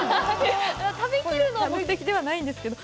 食べきるのが目的ではないんですけど。